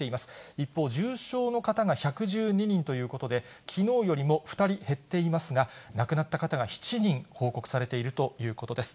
一方、重症の方が１１２人ということで、きのうよりも２人減っていますが、亡くなった方が７人報告されているということです。